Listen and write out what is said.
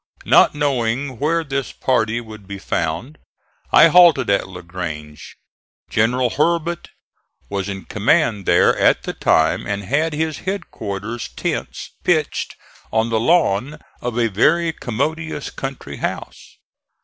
Not knowing where this party would be found I halted at La Grange. General Hurlbut was in command there at the time and had his headquarters tents pitched on the lawn of a very commodious country house.